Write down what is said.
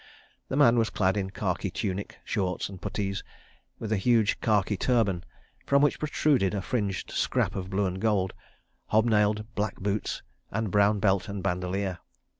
The man was clad in khaki tunic, shorts and puttees, with a huge khaki turban, from which protruded a fringed scrap of blue and gold; hob nailed black boots, and brown belt and bandolier.